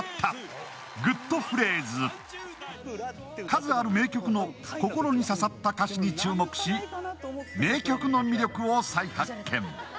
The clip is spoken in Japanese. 数ある名曲の心に刺さった歌詞に注目し名曲の魅力を再発見。